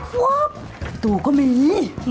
ประตูก็มี